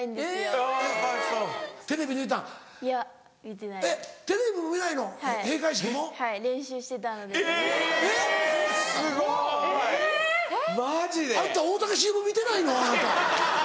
あんた大竹しのぶ見てないの？